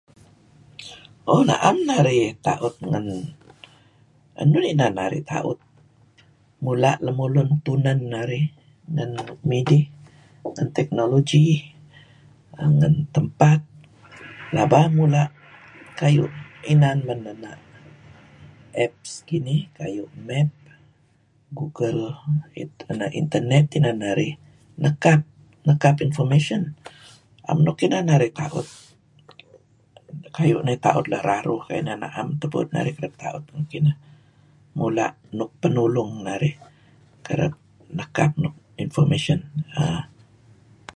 Oh na'em narih ta'ut ngen , enun inan narih ta'ut? Mula' lemulun tunen narih ngen nuk midih, ngen technology ngen tempat pelaba mula' kayu' inan men na' apps kinih kayu' Maps. google internet inan narih nekap information. 'am nuk inan narih ta'ut kayu' narih ta'ut la' raruh, 'am tebuut teh narih kereb ta'ut ngan nuk kineh. Mula' nuk penulung narih kereb nekap nuk information.